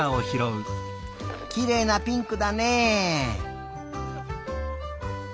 きれいなピンクだね。